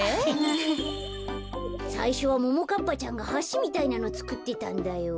さいしょはももかっぱちゃんがはしみたいなのつくってたんだよ。